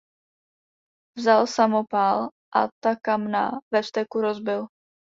Vzal samopal a ta kamna ve vzteku rozbil.